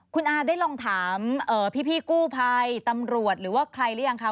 คุณอาได้ลองถามพี่กู้ภัยตำรวจหรือว่าใครหรือยังคะ